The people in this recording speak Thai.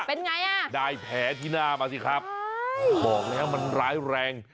เป็นไงอ่ะได้แผลที่หน้ามาสิครับบอกแล้วมันร้ายแรง